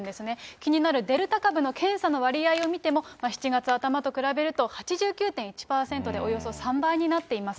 気になるデルタ株の検査の割合を見ても、７月頭と比べると、８９．１％で、およそ３倍になっています。